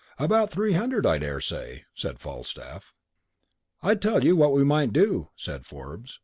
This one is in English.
"About three hundred, I dare say," said Falstaff. "I tell you what we might do," said Forbes.